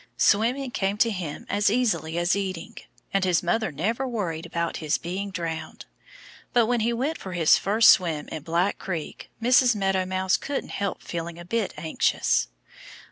Swimming came to him as easily as eating. And his mother never worried about his being drowned. But when he went for his first swim in Black Creek Mrs. Meadow Mouse couldn't help feeling a bit anxious.